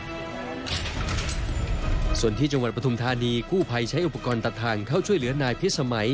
ส่วนที่จังหวัดปฐุมธานีกู้ภัยใช้อุปกรณ์ตัดทางเข้าช่วยเหลือนายพิษสมัย